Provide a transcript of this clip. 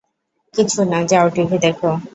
কিছু না, যাও টিভি দেখ।